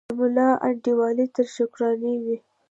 د ملا انډیوالي تر شکرانې وي